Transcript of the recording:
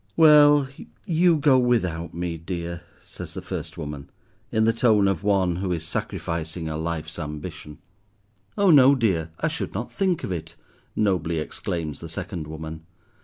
"Well, you go without me, dear," says the first woman, in the tone of one who is sacrificing a life's ambition. "Oh no, dear, I should not think of it," nobly exclaims the second woman.